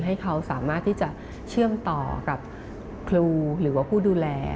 ให้เขาสามารถที่จะเชื่อมต่อกับครูหรือว่าผู้ดูแล